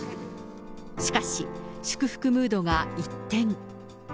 しかし、祝福ムードが一転。